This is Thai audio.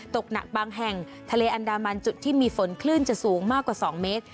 ตกหนักบางแห่งทะเลอันดามันจุดที่มีฝนคลื่นจะสูงมากกว่า๒เมตร